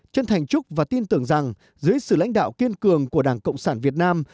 chân thành chúc và tin tưởng rằng dưới sự lãnh đạo kiên cường của đảng cộng sản việt nam